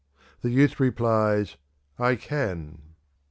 The youth replies, 'I can!'"